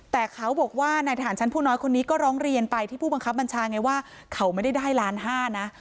แต่เขาบอกว่านายทหารชั้นผู้น้อยคนนี้ก็ร้องเรียนไปที่ผู้บังคับบัญชาไงว่าเขาไม่ได้ได้ล้านห้านะ